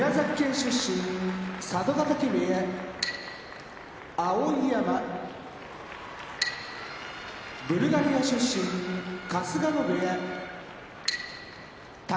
佐渡ヶ嶽部屋碧山ブルガリア出身春日野部屋宝